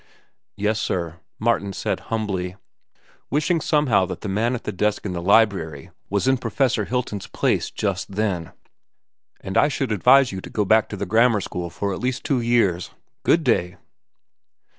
"Yes, sir," Martin said humbly, wishing somehow that the man at the desk in the library was in Professor Hilton's place just then. "And I should advise you to go back to the grammar school for at least two years. Good day."